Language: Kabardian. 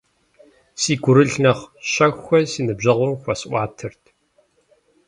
Си гурылъ нэхъ щэхухэр си ныбжьэгъум хуэсӏуатэрт.